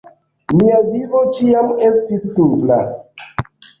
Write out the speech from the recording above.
Mia vivo ĉiam estis simpla.